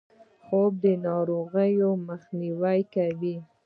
خوب د ناروغیو مخنیوی کوي